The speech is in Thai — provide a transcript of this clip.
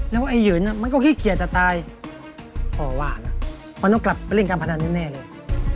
แล้วไอ้หืนมันก็ขี้เกียจจะตายพ่อว่านะมันต้องกลับไปเล่นการพนันแน่เลย